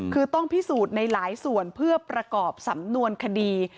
คือต้องพิสูจน์ในหลายส่วนเพื่อประกอบสำนวนคดี